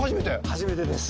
初めてです。